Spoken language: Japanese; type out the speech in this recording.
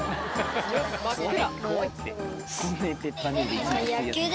真っ暗。